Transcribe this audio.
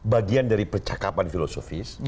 bagian dari percakapan filosofis